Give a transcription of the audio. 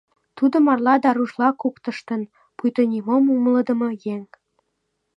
Тудо марла да рушла куктыштын, пуйто нимом умылыдымо еҥ.